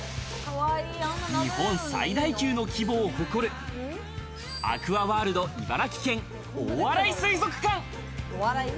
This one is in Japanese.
日本最大級の規模を誇るアクアワールド茨城県大洗水族館。